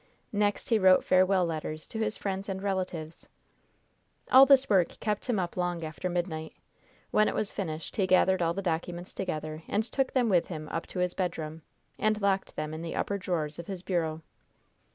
Next he wrote farewell letters to his friends and relatives. All this work kept him up long after midnight. When it was finished, he gathered all the documents together and took them with him up to his bedroom, and locked them in the upper drawers of his bureau.